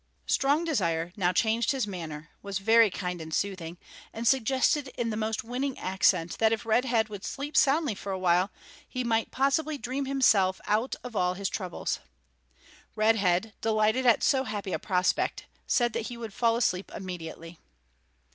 Strong Desire now changed his manner, was very kind and soothing, and suggested in the most winning accent that if Red Head would sleep soundly for a while he might possibly dream himself out of all his troubles. Red Head, delighted at so happy a prospect, said that he would fall asleep immediately.